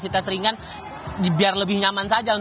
supaya kegiatan rekreasi tetap aman dan nyaman